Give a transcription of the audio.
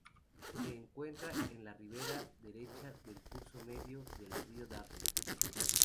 Se encuentra en la ribera derecha del curso medio del río Darling.